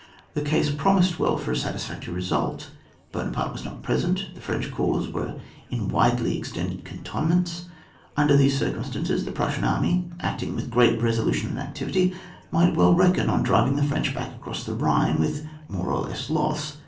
The case promised well for a satisfactory result. Buonaparte was not present, the French corps were in widely extended cantonments ; under these circumstances, the Prussian army, acting with great resolution and activity, might very well reckon on driving the French back across the Bhine, with more or less loss.